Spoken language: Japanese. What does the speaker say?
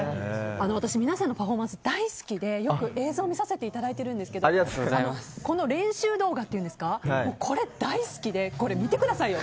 私、皆さんのパフォーマンス大好きでよく映像を見させていただいているんですがこの練習動画これ大好きで、見てくださいよ！